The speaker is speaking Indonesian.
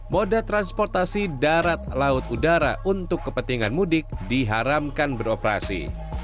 moda transportasi darat laut udara untuk kepentingan mudik diharamkan beroperasi